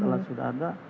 alat alat sudah ada